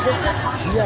違う！